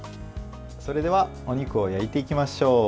それではお肉を焼いていきましょう。